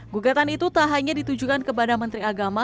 gugatan itu tak hanya ditujukan kepada menteri agama